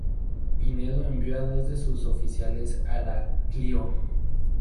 Pinedo envió a dos de sus oficiales a la "Clio".